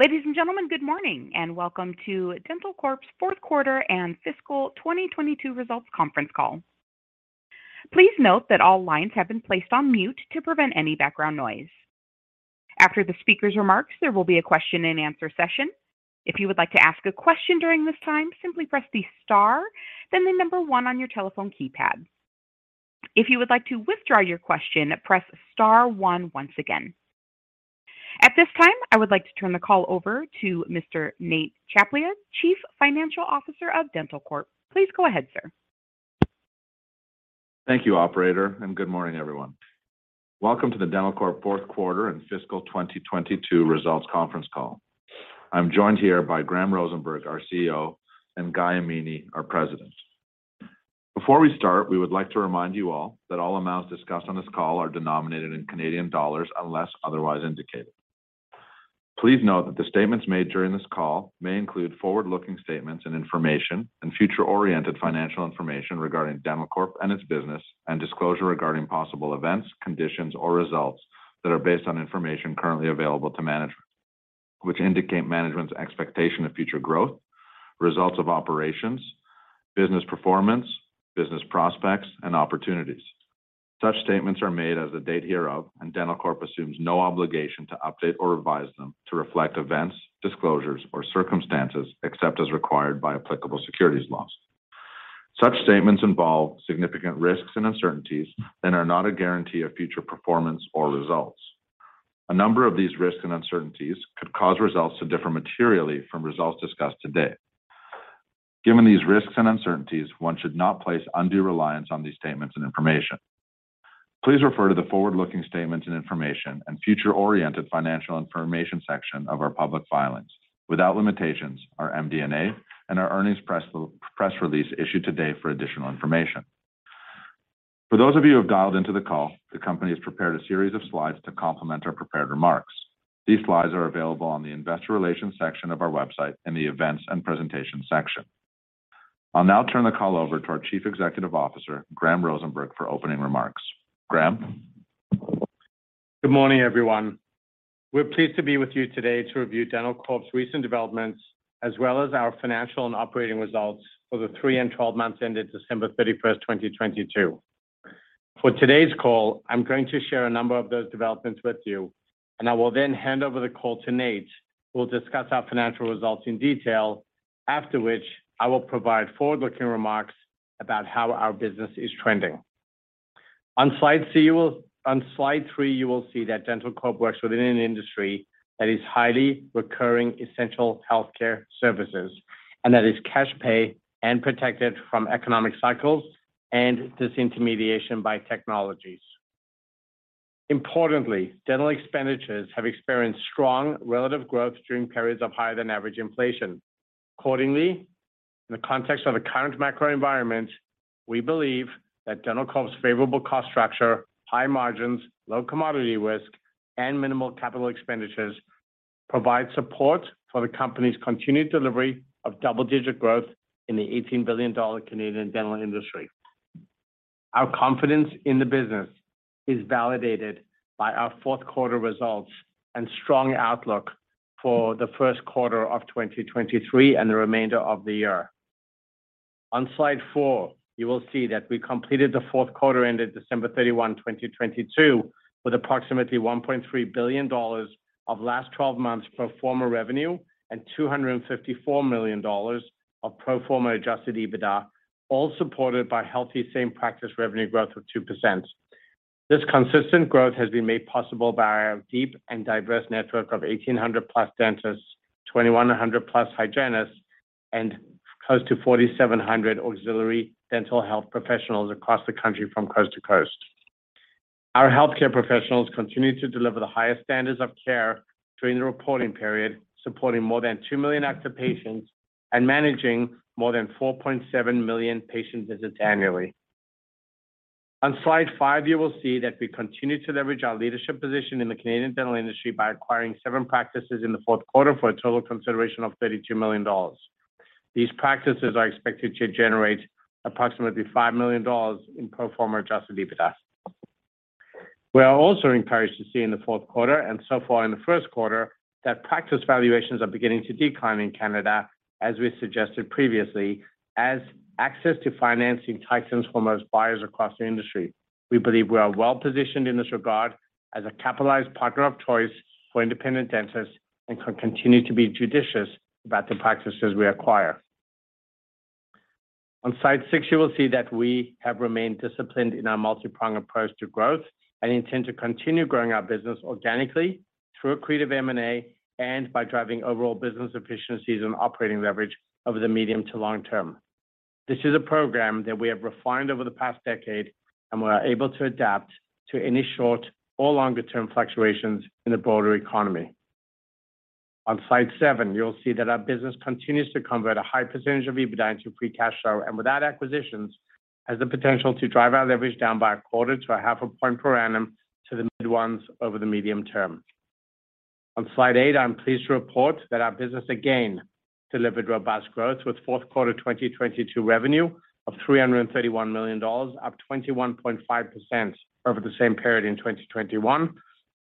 Ladies and gentlemen, good morning, and welcome to dentalcorp's fourth quarter and fiscal 2022 results conference call. Please note that all lines have been placed on mute to prevent any background noise. After the speaker's remarks, there will be a question and answer session. If you would like to ask a question during this time, simply press the star, then the number one on your telephone keypad. If you would like to withdraw your question, press star one once again. At this time, I would like to turn the call over to Mr. Nate Tchaplia, Chief Financial Officer of dentalcorp. Please go ahead, sir. Thank you, operator. Good morning, everyone. Welcome to the dentalcorp fourth quarter and fiscal 2022 results conference call. I'm joined here by Graham Rosenberg, our CEO, and Guy Amini, our President. Before we start, we would like to remind you all that all amounts discussed on this call are denominated in Canadian dollars, unless otherwise indicated. Please note that the statements made during this call may include forward-looking statements and information and future-oriented financial information regarding dentalcorp and its business and disclosure regarding possible events, conditions, or results that are based on information currently available to management, which indicate management's expectation of future growth, results of operations, business performance, business prospects, and opportunities. Such statements are made as of the date hereof, and dentalcorp assumes no obligation to update or revise them to reflect events, disclosures, or circumstances except as required by applicable securities laws. Such statements involve significant risks and uncertainties and are not a guarantee of future performance or results. A number of these risks and uncertainties could cause results to differ materially from results discussed today. Given these risks and uncertainties, one should not place undue reliance on these statements and information. Please refer to the forward-looking statements and information and future-oriented financial information section of our public filings. Without limitations, our MD&A and our earnings press release issued today for additional information. For those of you who have dialed into the call, the company has prepared a series of slides to complement our prepared remarks. These slides are available on the investor relations section of our website in the Events and Presentation section. I'll now turn the call over to our Chief Executive Officer, Graham Rosenberg, for opening remarks. Graham. Good morning, everyone. We're pleased to be with you today to review dentalcorp's recent developments, as well as our financial and operating results for the three and 12 months ended December 31st, 2022. For today's call, I'm going to share a number of those developments with you, I will then hand over the call to Nate, who will discuss our financial results in detail. After which, I will provide forward-looking remarks about how our business is trending. On slide three, you will see that dentalcorp works within an industry that is highly recurring essential healthcare services That is cash pay and protected from economic cycles and disintermediation by technologies. Importantly, dental expenditures have experienced strong relative growth during periods of higher than average inflation. Accordingly, in the context of the current macro environment, we believe that dentalcorp's favorable cost structure, high margins, low commodity risk, and minimal capital expenditures provide support for the company's continued delivery of double-digit growth in the 18 billion Canadian dollars Canadian dental industry. Our confidence in the business is validated by our fourth quarter results and strong outlook for the first quarter of 2023 and the remainder of the year. On slide four, you will see that we completed the fourth quarter ended December 31, 2022, with approximately 1.3 billion dollars of last twelve months pro forma revenue and 254 million dollars of pro forma adjusted EBITDA, all supported by healthy Same Practice Revenue Growth of 2%. This consistent growth has been made possible by our deep and diverse network of 1,800+ dentists, 2,100+ hygienists, and close to 4,700 auxiliary dental health professionals across the country from coast to coast. Our healthcare professionals continued to deliver the highest standards of care during the reporting period, supporting more than 2 million active patients and managing more than 4.7 million patient visits annually. On slide five, you will see that we continued to leverage our leadership position in the Canadian dental industry by acquiring seven practices in the fourth quarter for a total consideration of 32 million dollars. These practices are expected to generate approximately 5 million dollars in pro forma adjusted EBITDA. We are also encouraged to see in the fourth quarter and so far in the first quarter that practice valuations are beginning to decline in Canada, as we suggested previously, as access to financing tightens for most buyers across the industry. We believe we are well-positioned in this regard as a capitalized partner of choice for independent dentists and can continue to be judicious about the practices we acquire. On slide six, you will see that we have remained disciplined in our multi-pronged approach to growth and intend to continue growing our business organically through accretive M&A and by driving overall business efficiencies and operating leverage over the medium to long term. This is a program that we have refined over the past decade and we are able to adapt to any short or longer-term fluctuations in the broader economy. On slide seven, you'll see that our business continues to convert a high percentage of EBITDA into free cash flow and without acquisitions, has the potential to drive our leverage down by a quarter to a half a point per annum to the mid-ones over the medium term. On slide eight, I'm pleased to report that our business again delivered robust growth with fourth quarter 2022 revenue of 331 million dollars, up 21.5% over the same period in 2021,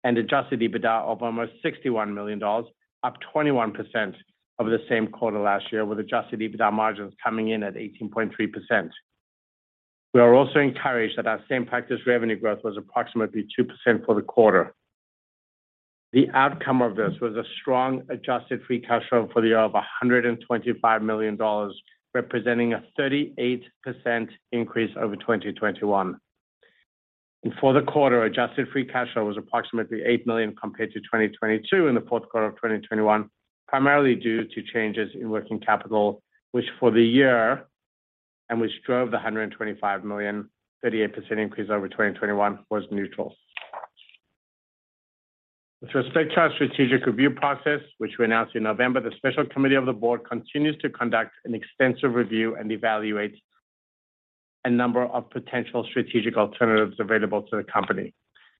and adjusted EBITDA of almost 61 million dollars, up 21% over the same quarter last year with adjusted EBITDA margins coming in at 18.3%. We are also encouraged that our same practice revenue Growth was approximately 2% for the quarter. The outcome of this was a strong adjusted free cash flow for the year of 125 million dollars, representing a 38% increase over 2021. For the quarter, adjusted free cash flow was approximately 8 million compared to 2022 in the fourth quarter of 2021, primarily due to changes in working capital, which for the year, and which drove the 125 million, 38% increase over 2021 was neutral. With respect to our strategic review process, which we announced in November, the special committee of the board continues to conduct an extensive review and evaluate a number of potential strategic alternatives available to the company.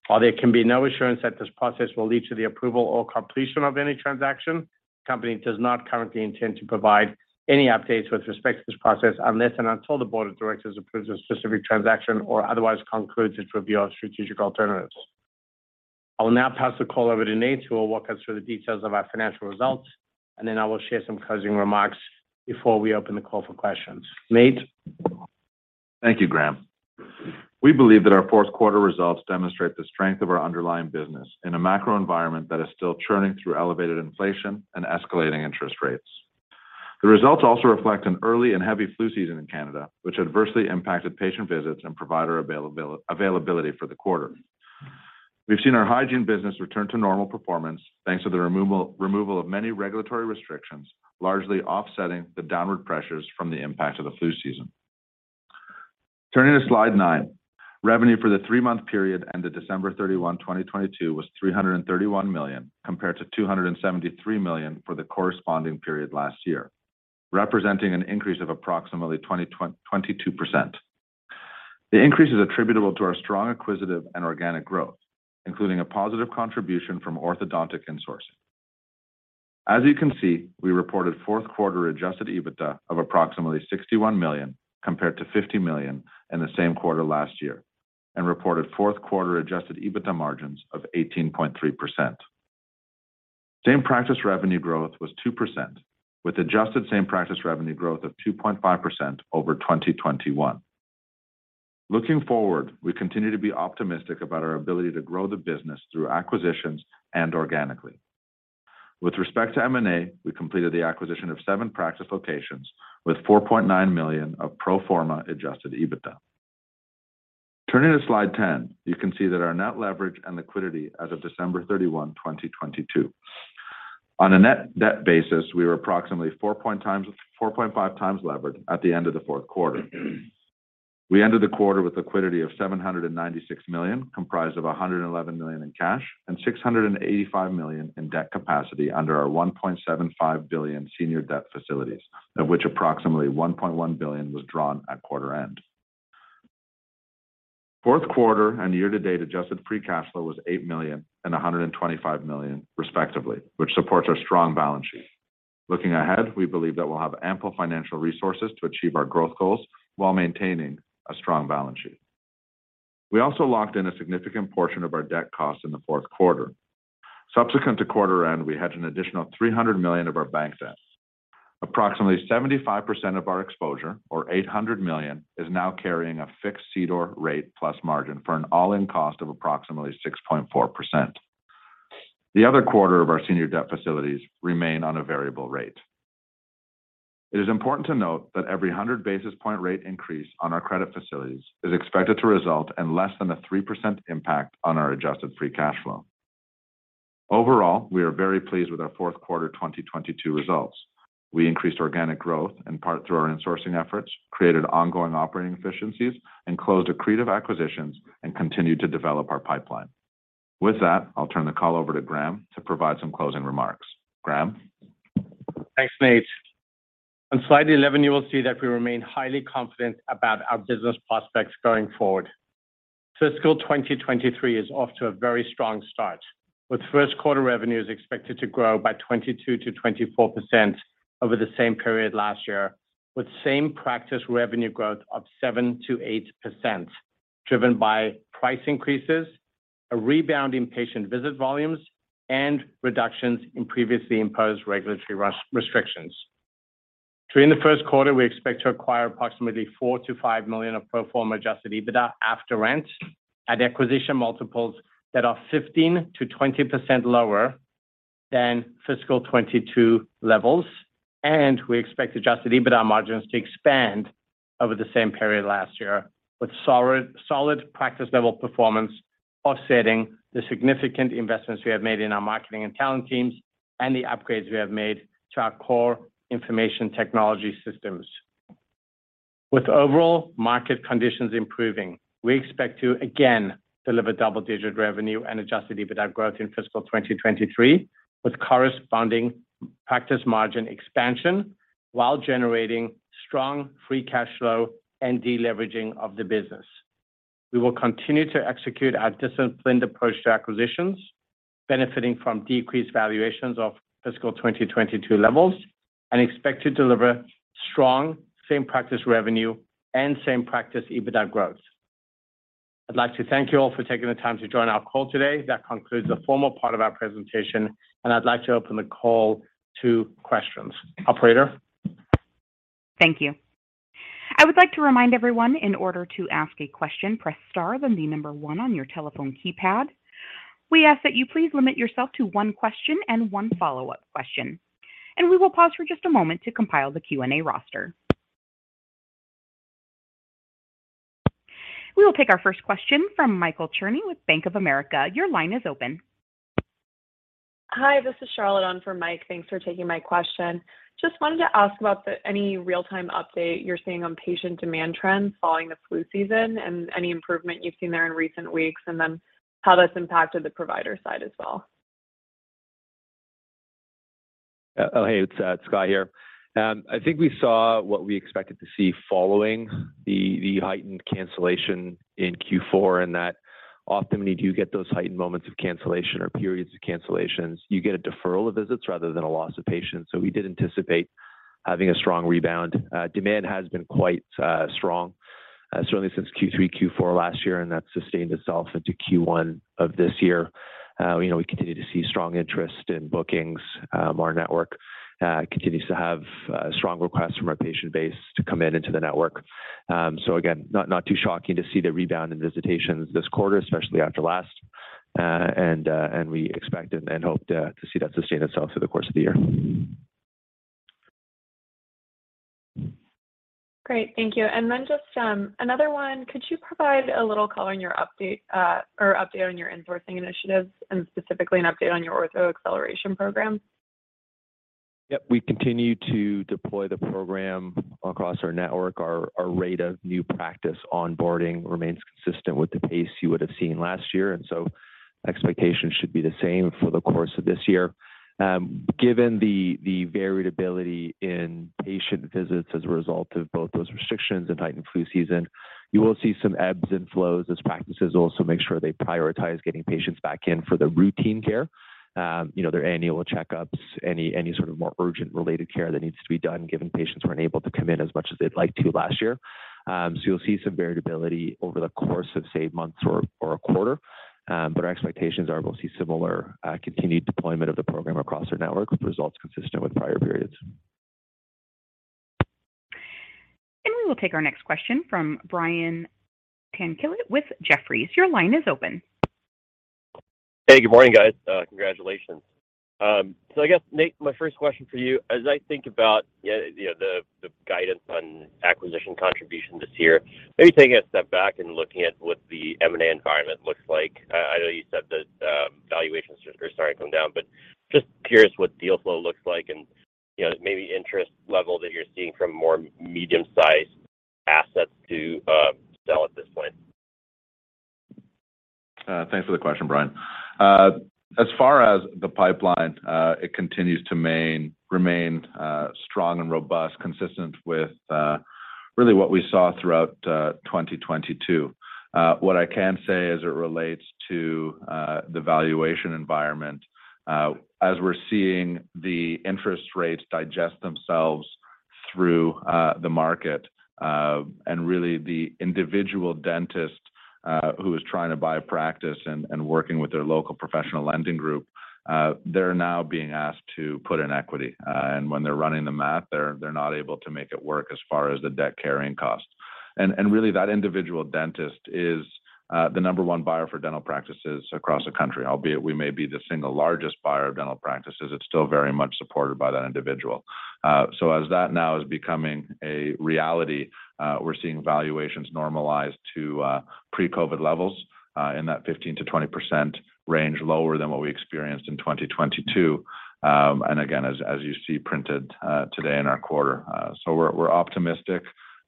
While there can be no assurance that this process will lead to the approval or completion of any transaction, the company does not currently intend to provide any updates with respect to this process unless and until the board of directors approves a specific transaction or otherwise concludes its review of strategic alternatives. I will now pass the call over to Nate, who will walk us through the details of our financial results, and then I will share some closing remarks before we open the call for questions. Nate? Thank you, Graham. We believe that our fourth quarter results demonstrate the strength of our underlying business in a macro environment that is still churning through elevated inflation and escalating interest rates. The results also reflect an early and heavy flu season in Canada, which adversely impacted patient visits and provider availability for the quarter. We've seen our hygiene business return to normal performance thanks to the removal of many regulatory restrictions, largely offsetting the downward pressures from the impact of the flu season. Turning to slide nine, revenue for the three-month period ended December 31, 2022 was 331 million, compared to 273 million for the corresponding period last year, representing an increase of approximately 22%. The increase is attributable to our strong acquisitive and organic growth, including a positive contribution from orthodontics insourcing. As you can see, we reported fourth quarter adjusted EBITDA of approximately 61 million, compared to 50 million in the same quarter last year, and reported fourth quarter adjusted EBITDA margins of 18.3%. Same Practice Revenue Growth was 2%, with adjusted same practice revenue growth of 2.5% over 2021. Looking forward, we continue to be optimistic about our ability to grow the business through acquisitions and organically. With respect to M&A, we completed the acquisition of seven practice locations with 4.9 million of pro forma adjusted EBITDA. Turning to slide 10, you can see that our net leverage and liquidity as of December 31, 2022. On a net debt basis, we were approximately 4.5x levered at the end of the fourth quarter. We ended the quarter with liquidity of 796 million, comprised of 111 million in cash and 685 million in debt capacity under our 1.75 billion senior debt facilities, of which approximately 1.1 billion was drawn at quarter end. Fourth quarter and year-to-date adjusted free cash flow was 8 million and 125 million, respectively, which supports our strong balance sheet. Looking ahead, we believe that we'll have ample financial resources to achieve our growth goals while maintaining a strong balance sheet. We also locked in a significant portion of our debt costs in the fourth quarter. Subsequent to quarter end, we had an additional 300 million of our bank debt. Approximately 75% of our exposure, or 800 million, is now carrying a fixed CDOR rate plus margin for an all-in cost of approximately 6.4%. The other quarter of our senior debt facilities remain on a variable rate. It is important to note that every 100 basis point rate increase on our credit facilities is expected to result in less than a 3% impact on our adjusted free cash flow. Overall, we are very pleased with our fourth quarter 2022 results. We increased organic growth in part through our insourcing efforts, created ongoing operating efficiencies, and closed accretive acquisitions and continued to develop our pipeline. With that, I'll turn the call over to Graham to provide some closing remarks. Graham? Thanks, Nate. On slide 11, you will see that we remain highly confident about our business prospects going forward. Fiscal 2023 is off to a very strong start, with first quarter revenues expected to grow by 22%-24% over the same period last year, with same practice revenue growth of 7%-8%, driven by price increases, a rebound in patient visit volumes, and reductions in previously imposed regulatory restrictions. During the first quarter, we expect to acquire approximately 4 million-5 million of pro forma adjusted EBITDA after rent at acquisition multiples that are 15%-20% lower than fiscal 2022 levels. We expect adjusted EBITDA margins to expand over the same period last year, with solid practice level performance offsetting the significant investments we have made in our marketing and talent teams and the upgrades we have made to our core information technology systems. With overall market conditions improving, we expect to again deliver double-digit revenue and adjusted EBITDA growth in fiscal 2023, with corresponding practice margin expansion while generating strong free cash flow and deleveraging of the business. We will continue to execute our disciplined approach to acquisitions, benefiting from decreased valuations of fiscal 2022 levels and expect to deliver strong same practice revenue and same practice EBITDA growth. I'd like to thank you all for taking the time to join our call today. That concludes the formal part of our presentation. I'd like to open the call to questions. Operator. Thank you. I would like to remind everyone in order to ask a question, press star, then the number one on your telephone keypad. We ask that you please limit yourself to one question and one follow-up question, and we will pause for just a moment to compile the Q&A roster. We will take our first question from Michael Cherny with Bank of America. Your line is open. Hi, this is Charlotte on for Mike. Thanks for taking my question. Just wanted to ask about any real-time update you're seeing on patient demand trends following the flu season and any improvement you've seen there in recent weeks, and then how that's impacted the provider side as well? Oh, hey, it's Guy here. I think we saw what we expected to see following the heightened cancellation in Q4, and that often when you do get those heightened moments of cancellation or periods of cancellations, you get a deferral of visits rather than a loss of patients. We did anticipate having a strong rebound. Demand has been quite strong, certainly since Q3, Q4 last year, and that sustained itself into Q1 of this year. You know, we continue to see strong interest in bookings. Our network continues to have strong requests from our patient base to come into the network. Again, not too shocking to see the rebound in visitations this quarter, especially after last. We expect and hope to see that sustain itself through the course of the year. Great. Thank you. Then just, another one. Could you provide a little color on your update, or update on your onboarding initiatives and specifically an update on your Ortho Acceleration Program? We continue to deploy the program across our network. Our rate of new practice onboarding remains consistent with the pace you would have seen last year, and so expectations should be the same for the course of this year. Given the variability in patient visits as a result of both those restrictions and heightened flu season, you will see some ebbs and flows as practices also make sure they prioritize getting patients back in for the routine care, you know, their annual checkups, any sort of more urgent related care that needs to be done given patients weren't able to come in as much as they'd like to last year. So you'll see some variability over the course of, say, months or a quarter. Our expectations are we'll see similar continued deployment of the program across our network with results consistent with prior periods. We will take our next question from Brian Tanquilut with Jefferies. Your line is open. Hey, good morning, guys. Congratulations. I guess, Nate, my first question for you, as I think about, you know, the guidance on acquisition contribution this year, maybe taking a step back and looking at what the M&A environment looks like. I know you said that valuations are starting to come down, but just curious what deal flow looks like and, you know, maybe interest level that you're seeing from more medium-sized assets to sell at this point. Thanks for the question, Brian. As far as the pipeline, it continues to remain strong and robust, consistent with really what we saw throughout 2022. What I can say as it relates to the valuation environment, as we're seeing the interest rates digest themselves through the market, and really the individual dentist who is trying to buy a practice and working with their local professional lending group, they're now being asked to put in equity. When they're running the math, they're not able to make it work as far as the debt carrying cost. Really that individual dentist is the number one buyer for dental practices across the country. Albeit we may be the single largest buyer of dental practices, it's still very much supported by that individual. As that now is becoming a reality, we're seeing valuations normalize to pre-COVID levels, in that 15%-20% range lower than what we experienced in 2022, and again, as you see printed, today in our quarter. We're optimistic,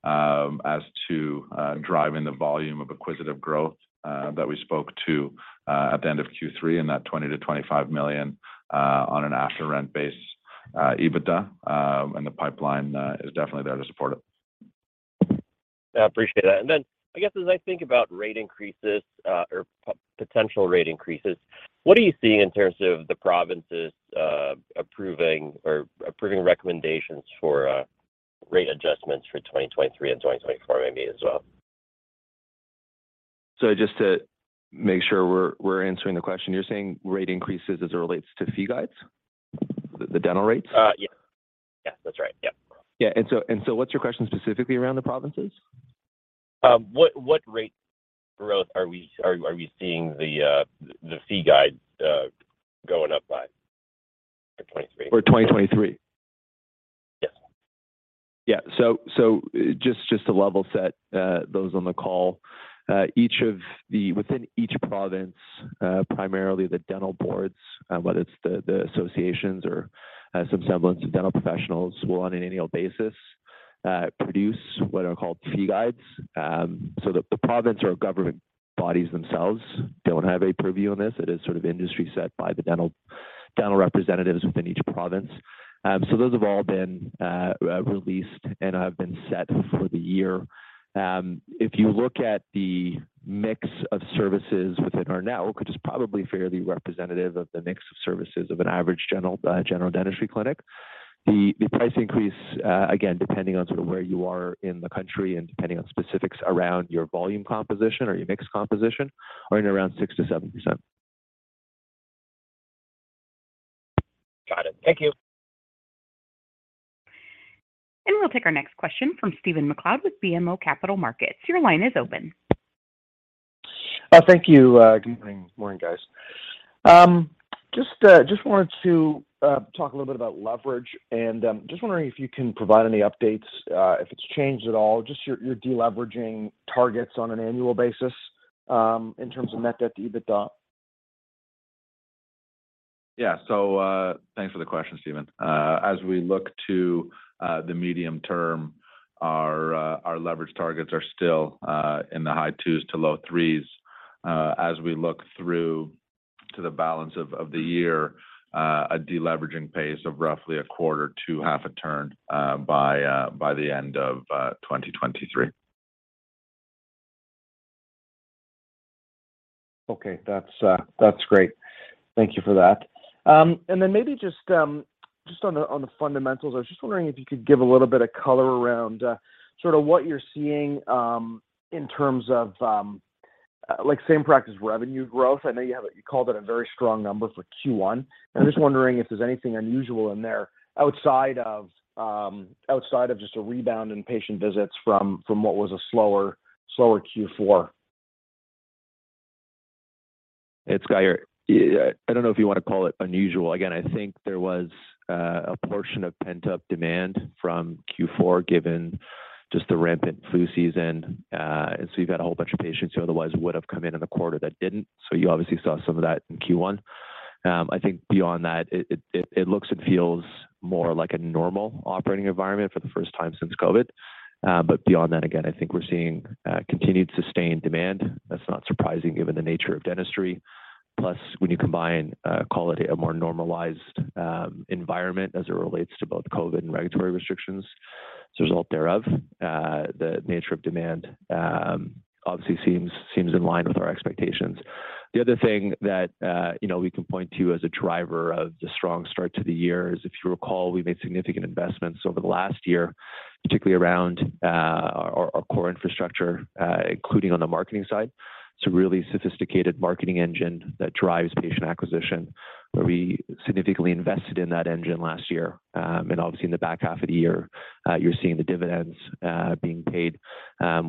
as to driving the volume of acquisitive growth, that we spoke to, at the end of Q3 in that 20 million-25 million, on an after rent base, EBITDA, and the pipeline, is definitely there to support it. I appreciate that. I guess as I think about rate increases, or potential rate increases, what are you seeing in terms of the provinces, approving recommendations for rate adjustments for 2023 and 2024 maybe as well? Just to make sure we're answering the question. You're saying rate increases as it relates to fee guides, the dental rates? Yeah. Yeah, that's right. Yeah. Yeah. What's your question specifically around the provinces? What rate growth are we seeing the fee guide going up by for 2023? For 2023? Yes. Yeah. Just to level set those on the call, within each province, primarily the dental boards, whether it's the associations or some semblance of dental professionals will on an annual basis produce what are called fee guides. The province or government bodies themselves don't have a purview on this. It is sort of industry set by the dental representatives within each province. Those have all been released and have been set for the year. If you look at the mix of services within our network, which is probably fairly representative of the mix of services of an average general dentistry clinic, the price increase, again, depending on where you are in the country and depending on specifics around your volume composition or your mix composition are in around 6%-7%. Got it. Thank you. We'll take our next question from Stephen MacLeod with BMO Capital Markets. Your line is open. Thank you. Good evening. Morning, guys. Wanted to talk a little bit about leverage and wondering if you can provide any updates if it's changed at all, just your de-leveraging targets on an annual basis in terms of net debt to EBITDA? Thanks for the question, Stephen. As we look to the medium term, our leverage targets are still in the high twos to low threes. As we look through to the balance of the year, a de-leveraging pace of roughly a quarter to half a turn by the end of 2023. Okay. That's, that's great. Thank you for that. Then maybe just on the, on the fundamentals, I was just wondering if you could give a little bit of color around, sort of what you're seeing, in terms of, like same practice revenue growth. I know you called it a very strong number for Q1. I'm just wondering if there's anything unusual in there outside of, outside of just a rebound in patient visits from what was a slower Q4. It's Guy here. Yeah, I don't know if you wanna call it unusual. Again, I think there was a portion of pent-up demand from Q4, given just the rampant flu season. You've got a whole bunch of patients who otherwise would have come in in the quarter that didn't. You obviously saw some of that in Q1. I think beyond that, it looks and feels more like a normal operating environment for the first time since COVID. Beyond that, again, I think we're seeing continued sustained demand. That's not surprising given the nature of dentistry. Plus, when you combine, call it a more normalized environment as it relates to both COVID and regulatory restrictions, as a result thereof, the nature of demand obviously seems in line with our expectations. The other thing that, you know, we can point to as a driver of the strong start to the year is, if you recall, we made significant investments over the last year, particularly around our core infrastructure, including on the marketing side. It's a really sophisticated marketing engine that drives patient acquisition, where we significantly invested in that engine last year. Obviously in the back half of the year, you're seeing the dividends being paid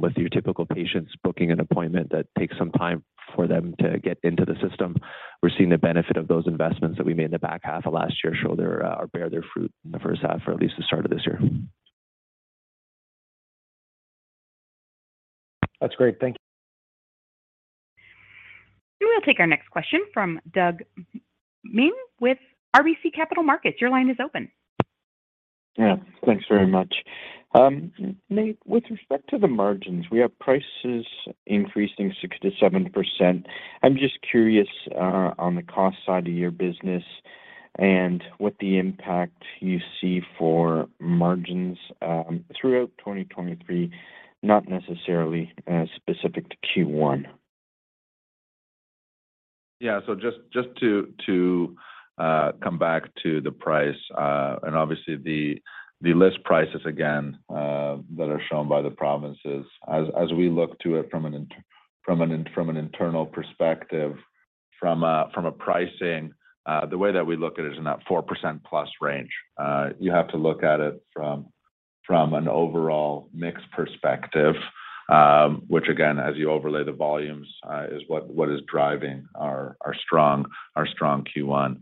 with your typical patients booking an appointment that takes some time for them to get into the system. We're seeing the benefit of those investments that we made in the back half of last year show their or bear their fruit in the first half or at least the start of this year. That's great. Thank you. We'll take our next question from Doug Miehm with RBC Capital Markets. Your line is open. Thanks very much. Nate, with respect to the margins, we have prices increasing 6%-7%. I'm just curious on the cost side of your business and what the impact you see for margins throughout 2023, not necessarily as specific to Q1. Just to come back to the price, and obviously the list prices again, that are shown by the provinces as we look to it from an internal perspective, from a pricing, the way that we look at it is in that 4% plus range. You have to look at it from an overall mix perspective, which again, as you overlay the volumes, is what is driving our strong Q1.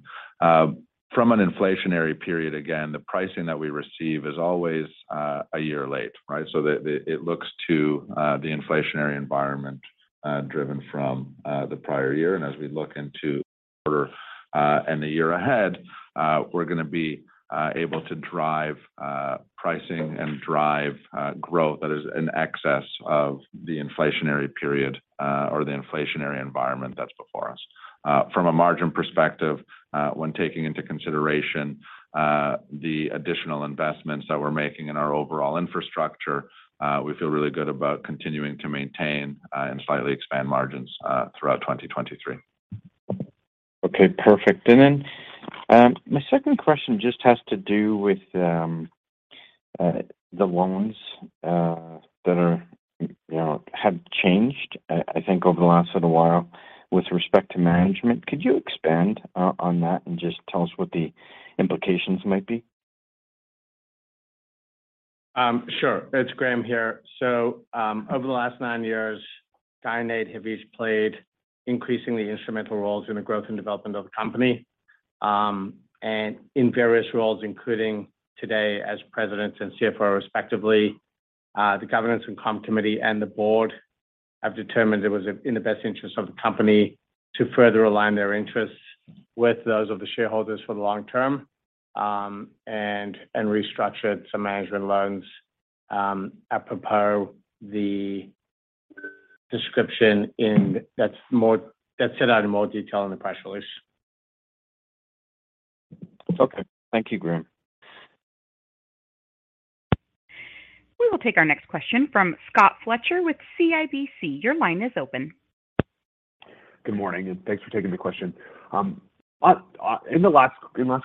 From an inflationary period, again, the pricing that we receive is always a year late, right? It looks to the inflationary environment, driven from the prior year. As we look into quarter, and the year ahead, we're gonna be able to drive pricing and drive growth that is in excess of the inflationary period or the inflationary environment that's before us. From a margin perspective, when taking into consideration the additional investments that we're making in our overall infrastructure, we feel really good about continuing to maintain and slightly expand margins throughout 2023. Okay. Perfect. My second question just has to do with the loans that are, you know, have changed, I think, over the last little while with respect to management. Could you expand on that and just tell us what the implications might be? Sure. It's Graham Rosenberg here. Over the last nine years, Guy and Nate have each played increasingly instrumental roles in the growth and development of the company, and in various roles, including today as Presidents and CFO respectively. The Governance and Comp Committee and the Board have determined it was in the best interest of the company to further align their interests with those of the shareholders for the long term, and restructured some management loans, apropos the description in that's set out in more detail in the press release. Okay. Thank you, Graham. We will take our next question from Scott Fletcher with CIBC. Your line is open. Good morning, and thanks for taking the question. In last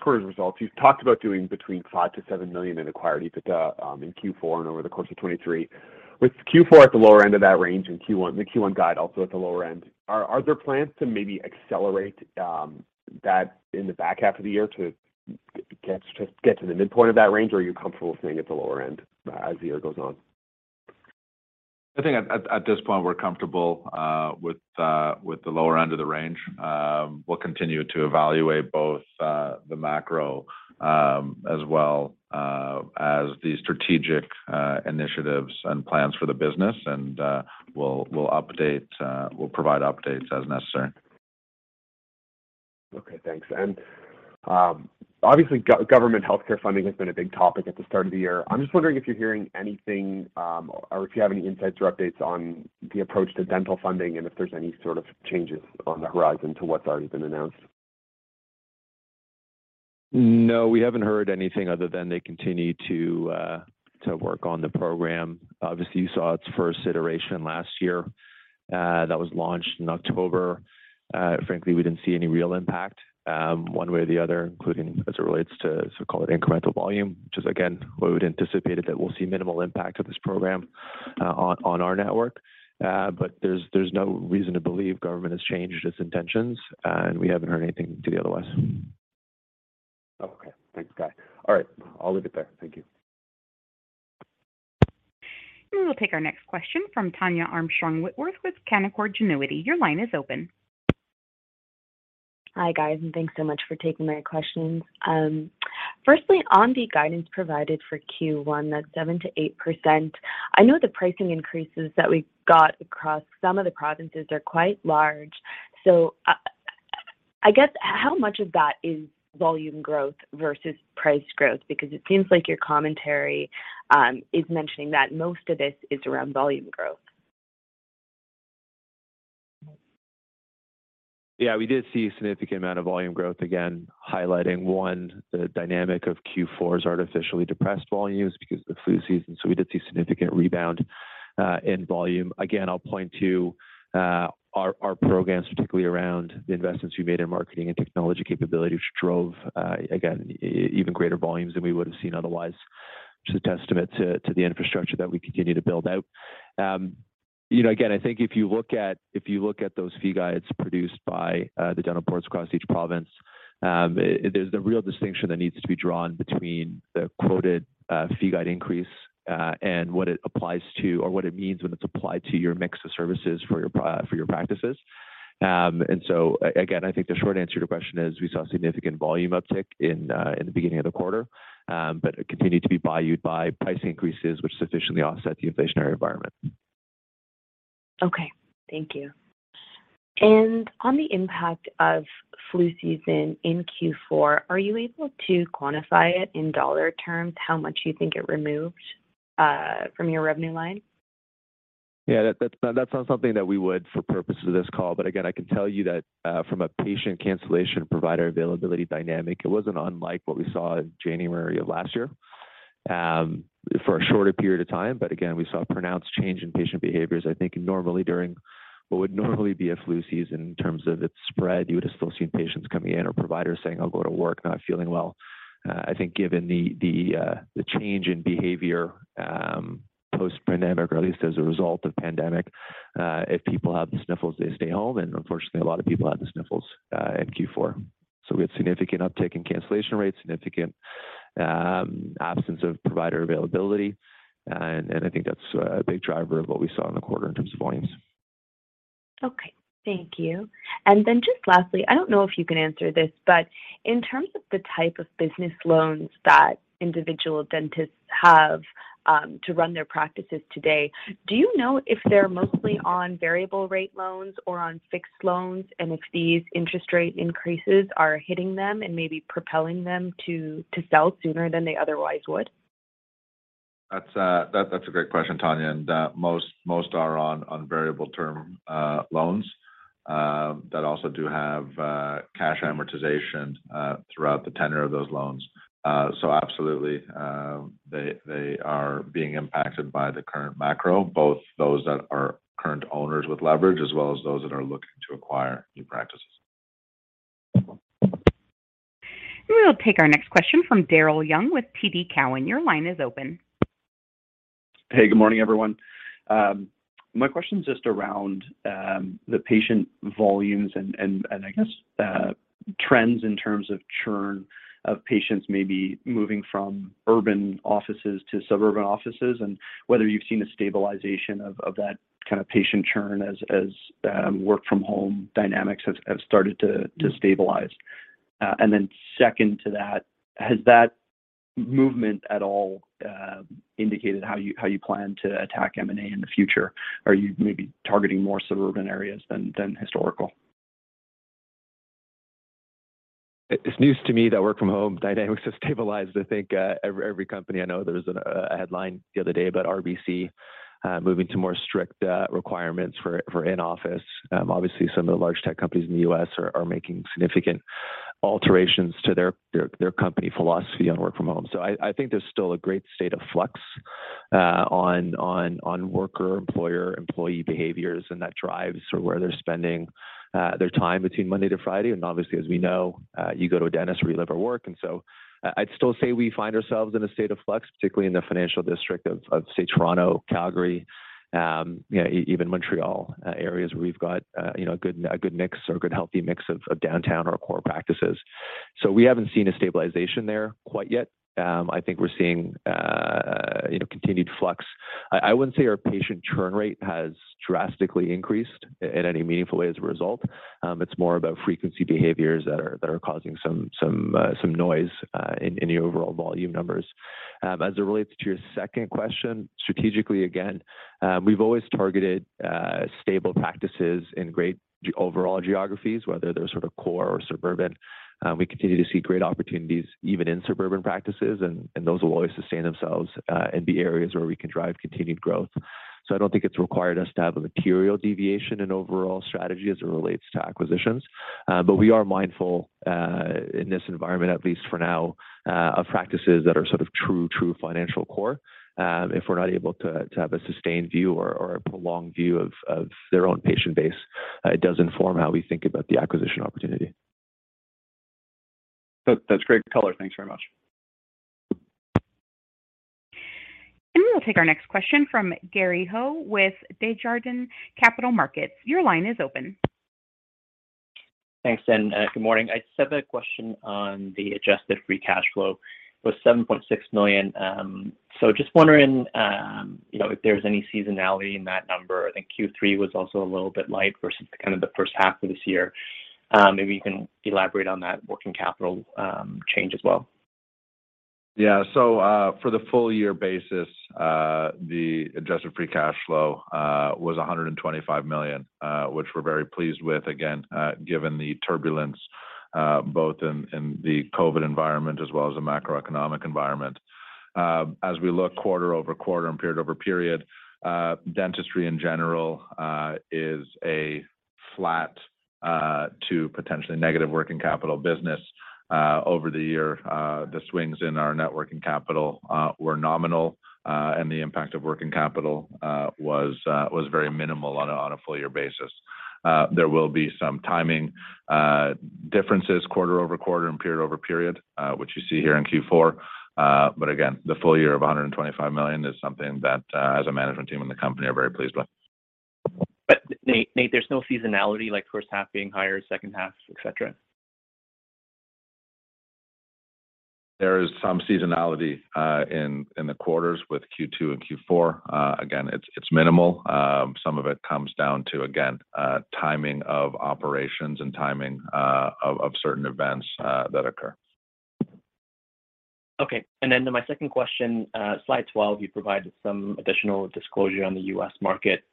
quarter's results, you've talked about doing between $5 million-$7 million in acquired EBITDA, in Q4 and over the course of 2023. With Q4 at the lower end of that range and the Q1 guide also at the lower end, are there plans to maybe accelerate that in the back half of the year to get to the midpoint of that range or are you comfortable staying at the lower end as the year goes on? I think at this point we're comfortable with the lower end of the range. We'll continue to evaluate both the macro as well as the strategic initiatives and plans for the business and we'll provide updates as necessary. Thanks. Obviously government healthcare funding has been a big topic at the start of the year. I'm just wondering if you're hearing anything, or if you have any insights or updates on the approach to dental funding and if there's any sort of changes on the horizon to what's already been announced. No, we haven't heard anything other than they continue to work on the program. Obviously, you saw its first iteration last year, that was launched in October. Frankly, we didn't see any real impact, one way or the other, including as it relates to so-called incremental volume, which is again what we'd anticipated, that we'll see minimal impact of this program on our network. There's no reason to believe government has changed its intentions, and we haven't heard anything to the otherwise. Okay. Thanks, Guy. All right, I'll leave it there. Thank you. We'll take our next question from Tania Armstrong-Whitworth with Canaccord Genuity. Your line is open. Hi, guys, and thanks so much for taking my questions. firstly, on the guidance provided for Q1, that's 7%-8%. I know the pricing increases that we got across some of the provinces are quite large. I guess how much of that is volume growth versus price growth? it seems like your commentary is mentioning that most of this is around volume growth. Yeah, we did see a significant amount of volume growth, again highlighting, one, the dynamic of Q4's artificially depressed volumes because of the flu season. We did see significant rebound in volume. Again, I'll point to our programs particularly around the investments we made in marketing and technology capability, which drove again, even greater volumes than we would have seen otherwise, which is a testament to the infrastructure that we continue to build out. You know, again, I think if you look at those fee guides produced by the dental boards across each province, there's a real distinction that needs to be drawn between the quoted fee guide increase and what it applies to or what it means when it's applied to your mix of services for your practices. Again, I think the short answer to your question is we saw significant volume uptick in the beginning of the quarter, it continued to be buoyed by price increases which sufficiently offset the inflationary environment. Okay. Thank you. On the impact of flu season in Q4, are you able to quantify it in CAD dollar terms how much you think it removed from your revenue line? Yeah. That's not something that we would for purpose of this call. Again, I can tell you that, from a patient cancellation provider availability dynamic, it wasn't unlike what we saw in January of last year, for a shorter period of time. Again, we saw a pronounced change in patient behaviors. I think normally during what would normally be a flu season in terms of its spread, you would have still seen patients coming in or providers saying, I'll go to work, not feeling well. I think given the change in behavior, post-pandemic or at least as a result of pandemic, if people have the sniffles, they stay home, and unfortunately, a lot of people had the sniffles in Q4. We had significant uptick in cancellation rates, significant absence of provider availability, and I think that's a big driver of what we saw in the quarter in terms of volumes. Okay. Thank you. Just lastly, I don't know if you can answer this, but in terms of the type of business loans that individual dentists have, to run their practices today, do you know if they're mostly on variable rate loans or on fixed loans and if these interest rate increases are hitting them and maybe propelling them to sell sooner than they otherwise would? That's a great question, Tania, and most are on variable term loans that also do have cash amortization throughout the tenure of those loans. Absolutely, they are being impacted by the current macro, both those that are current owners with leverage as well as those that are looking to acquire new practices. We'll take our next question from Daryl Young with TD Cowen. Your line is open. Hey, good morning, everyone. My question is just around the patient volumes and I guess trends in terms of churn of patients maybe moving from urban offices to suburban offices, and whether you've seen a stabilization of that kind of patient churn as work from home dynamics have started to stabilize. Then second to that, has that movement at all indicated how you plan to attack M&A in the future? Are you maybe targeting more suburban areas than historical? It's news to me that work from home dynamics have stabilized. I think every company I know, there was a headline the other day about RBC moving to more strict requirements for in-office. Obviously, some of the large tech companies in the U.S. are making significant alterations to their company philosophy on work from home. I think there's still a great state of flux on worker, employer, employee behaviors, and that drives sort of where they're spending their time between Monday to Friday. Obviously, as we know, you go to a dentist where you live or work. I'd still say we find ourselves in a state of flux, particularly in the financial district of, say, Toronto, Calgary, you know, even Montreal, areas where we've got, you know, a good mix or good healthy mix of downtown or core practices. We haven't seen a stabilization there quite yet. I think we're seeing, you know, continued flux. I wouldn't say our patient churn rate has drastically increased in any meaningful way as a result. It's more about frequency behaviors that are causing some noise in the overall volume numbers. As it relates to your second question, strategically, again, we've always targeted stable practices in great overall geographies, whether they're sort of core or suburban. We continue to see great opportunities even in suburban practices and those will always sustain themselves and be areas where we can drive continued growth. I don't think it's required us to have a material deviation in overall strategy as it relates to acquisitions. But we are mindful in this environment, at least for now, of practices that are sort of true financial core. If we're not able to have a sustained view or a prolonged view of their own patient base, it does inform how we think about the acquisition opportunity. That's great color. Thanks very much. We'll take our next question from Gary Ho with Desjardins Capital Markets. Your line is open. Good morning. I just have a question on the adjusted free cash flow. It was 7.6 million. Just wondering, you know, if there's any seasonality in that number. I think Q3 was also a little bit light versus kind of the first half of this year. Maybe you can elaborate on that working capital change as well. For the full year basis, the adjusted free cash flow was 125 million, which we're very pleased with, again, given the turbulence both in the COVID environment as well as the macroeconomic environment. As we look quarter-over-quarter and period-over-period, dentistry in general is a flat to potentially negative working capital business. Over the year, the swings in our networking capital were nominal, and the impact of working capital was very minimal on a full year basis. There will be some timing differences quarter-over-quarter and period-over-period, which you see here in Q4. Again, the full year of 125 million is something that, as a management team and the company are very pleased with. Nate, there's no seasonality like first half being higher, second half, et cetera? There is some seasonality, in the quarters with Q2 and Q4. Again, it's minimal. Some of it comes down to, again, timing of operations and timing, of certain events, that occur. Okay. To my second question, slide 12, you provided some additional disclosure on the U.S. market.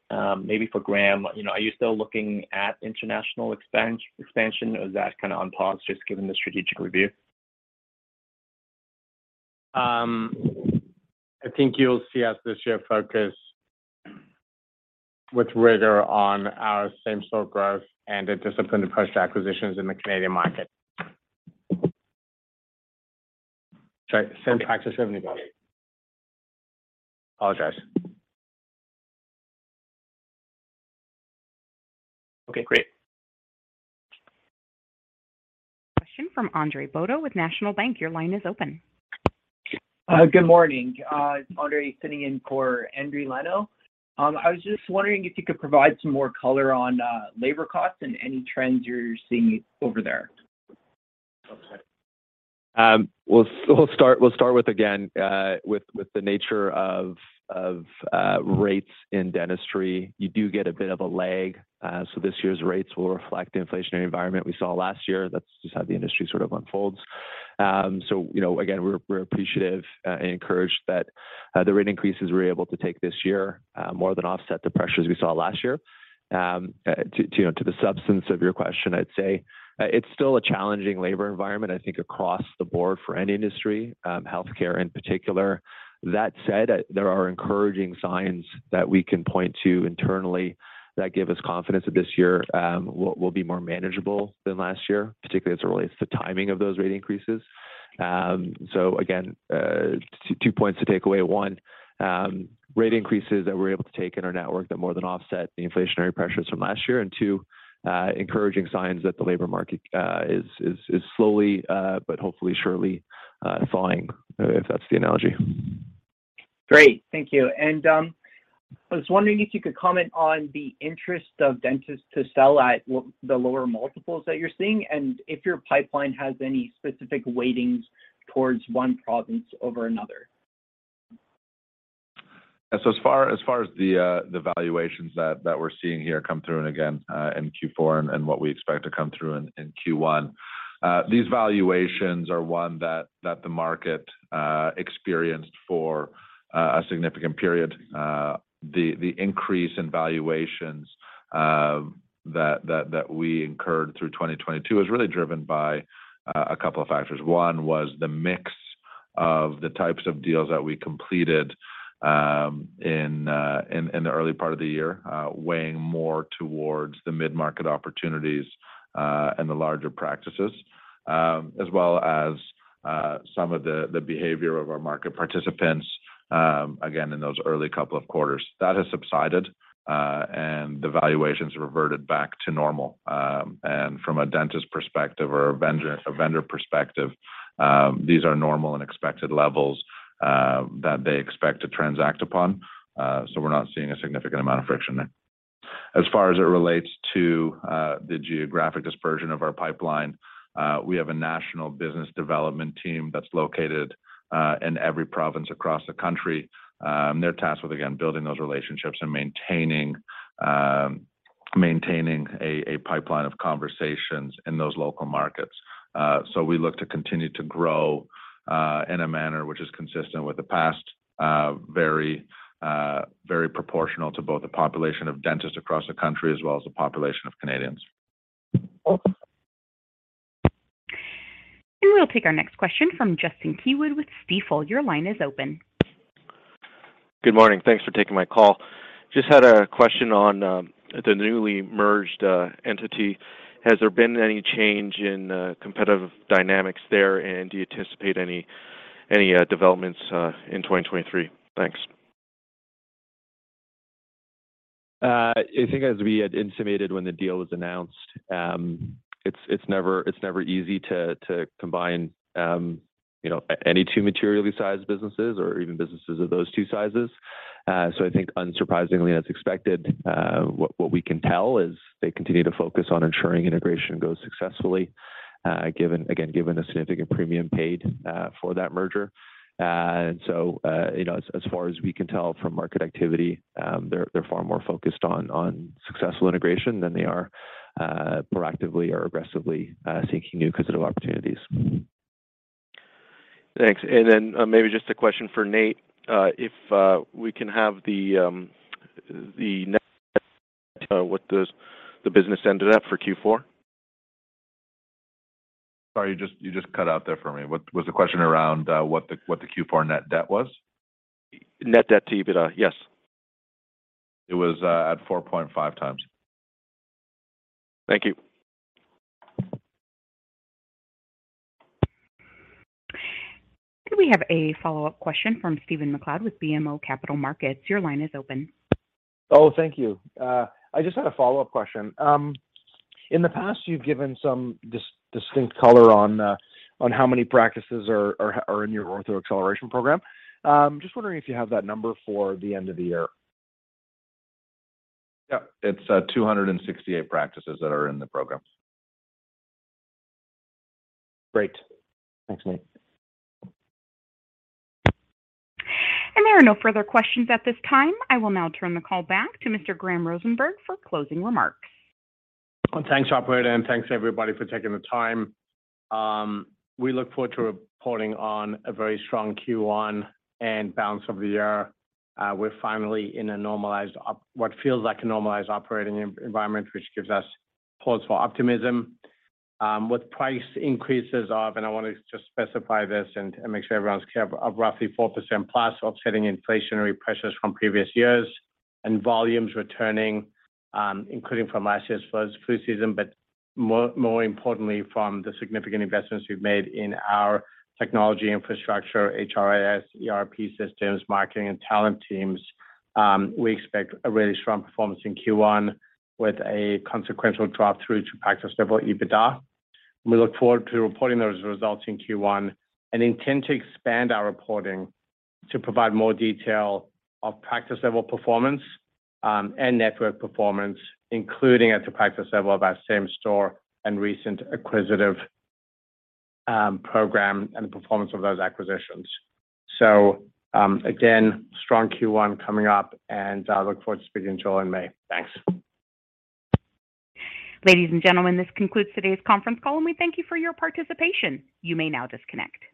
Maybe for Graham, you know, are you still looking at international expansion, or is that kind of on pause just given the strategic review? I think you'll see us this year focus with rigor on our same store growth and a disciplined approach to acquisitions in the Canadian market. Sorry, same practices. Apologize. Okay, great. Question from Andre Bodo with National Bank. Your line is open. Good morning. It's Andre sitting in for Endri Leno. I was just wondering if you could provide some more color on labor costs and any trends you're seeing over there. We'll start with, again, with the nature of rates in dentistry. You do get a bit of a lag. This year's rates will reflect the inflationary environment we saw last year. That's just how the industry sort of unfolds. You know, again, we're appreciative and encouraged that the rate increases we're able to take this year more than offset the pressures we saw last year. To, you know, to the substance of your question, I'd say, it's still a challenging labor environment, I think, across the board for any industry, healthcare in particular. That said, there are encouraging signs that we can point to internally that give us confidence that this year, will be more manageable than last year, particularly as it relates to timing of those rate increases. Again, two points to take away. One, rate increases that we're able to take in our network that more than offset the inflationary pressures from last year. Two, encouraging signs that the labor market is slowly, but hopefully surely, thawing, if that's the analogy. Great. Thank you. I was wondering if you could comment on the interest of dentists to sell at the lower multiples that you're seeing, and if your pipeline has any specific weightings towards one province over another. As far as the valuations that we're seeing here come through, and again, in Q4 and what we expect to come through in Q1, these valuations are one that the market experienced for a significant period. The increase in valuations that we incurred through 2022 is really driven by a couple of factors. One was the mix of the types of deals that we completed in the early part of the year, weighing more towards the mid-market opportunities and the larger practices. As well as some of the behavior of our market participants, again, in those early couple of quarters. That has subsided, and the valuations reverted back to normal. From a dentist perspective or a vendor perspective, these are normal and expected levels that they expect to transact upon. We're not seeing a significant amount of friction there. As far as it relates to the geographic dispersion of our pipeline, we have a national business development team that's located in every province across the country. They're tasked with, again, building those relationships and maintaining a pipeline of conversations in those local markets. We look to continue to grow in a manner which is consistent with the past, very, very proportional to both the population of dentists across the country as well as the population of Canadians. We'll take our next question from Justin Keywood with Stifel. Your line is open. Good morning. Thanks for taking my call. Just had a question on the newly merged entity. Has there been any change in competitive dynamics there? Do you anticipate any developments in 2023? Thanks. I think as we had intimated when the deal was announced, it's never easy to combine, you know, any two materially sized businesses or even businesses of those two sizes. I think unsurprisingly as expected, what we can tell is they continue to focus on ensuring integration goes successfully, given the significant premium paid for that merger. You know, as far as we can tell from market activity, they're far more focused on successful integration than they are proactively or aggressively seeking new acquisitive opportunities. Thanks. Maybe just a question for Nate. If we can have the net, what the business ended up for Q4. Sorry, you just cut out there for me. What was the question around what the Q4 net debt was? Net debt-to-EBITDA. Yes. It was at 4.5x. Thank you. We have a follow-up question from Stephen MacLeod with BMO Capital Markets. Your line is open. Thank you. I just had a follow-up question. In the past, you've given some distinct color on how many practices are in your Ortho Acceleration Program. Just wondering if you have that number for the end of the year? Yep. It's, 268 practices that are in the program. Great. Thanks, Nate. There are no further questions at this time. I will now turn the call back to Mr. Graham Rosenberg for closing remarks. Well, thanks, operator, and thanks everybody for taking the time. We look forward to reporting on a very strong Q1 and balance of the year. We're finally in a normalized what feels like a normalized operating environment, which gives us pause for optimism. With price increases of, and I want to just specify this and make sure everyone's clear, of roughly 4% plus offsetting inflationary pressures from previous years and volumes returning, including from last year's flu season. More importantly from the significant investments we've made in our technology infrastructure, HRIS, ERP systems, marketing and talent teams, we expect a really strong performance in Q1 with a consequential drop through to practice-level EBITDA. We look forward to reporting those results in Q1 and intend to expand our reporting to provide more detail of practice level performance, and network performance, including at the practice level of our same store and recent acquisitive program and the performance of those acquisitions. Again, strong Q1 coming up and I look forward to speaking to you all in May. Thanks. Ladies and gentlemen, this concludes today's conference call and we thank you for your participation. You may now disconnect.